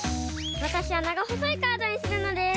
わたしはながほそいカードにするのです。